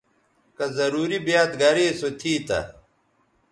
کہ ضروری بیاد گریسو تھی تہ